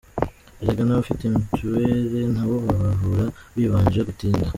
Erega n’abafite Mutuelle, nabo babavura bibanje gutinda.